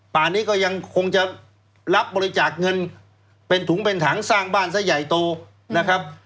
ป่านี้ก็ยังคงจะรับบริจาคเงินเป็นถุงเป็นถังสร้างบ้านซะใหญ่โตนะครับ